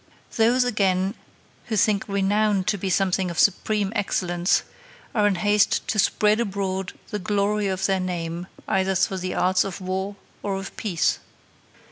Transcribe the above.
Those, again, who think renown to be something of supreme excellence are in haste to spread abroad the glory of their name either through the arts of war or of peace.